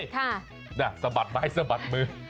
นี่สะบัดไหมสะบัดมือ